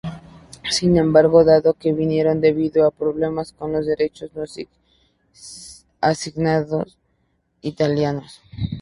Sin embargo, dado que vinieron debido a problemas con los derechos no asignados italianos.